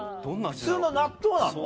普通の納豆なの？